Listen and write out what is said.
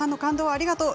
ありがとう